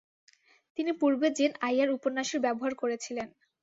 তিনি পূর্বে Jane Eyre উপন্যাসের ব্যবহার করেছিলেন।